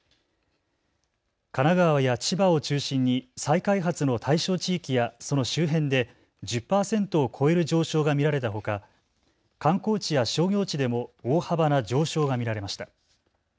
神奈川や千葉を中心に再開発の対象地域やその周辺で１０％を超える上昇が見られたほか観光地や商業地でも大幅な上昇が見られました。